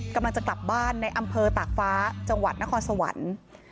กำลังจะกลับบ้านในอำเภอตากฟ้าจังหวัดนครสวรรค์